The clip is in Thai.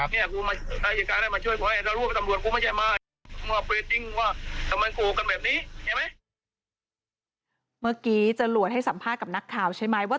เมื่อกี้เจ้าหลวดให้สัมภากกับนักค่าวที่ได้มีแบบไปที่ว่า